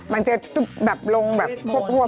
มันจะลงแบบหวบ